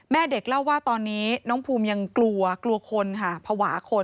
แม่เด็กเล่าว่าตอนนี้น้องภูมิยังกลัวกลัวคนค่ะภาวะคน